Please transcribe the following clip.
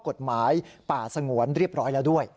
กฎหมายป่าสงวนเรียบร้อยแล้วด้วย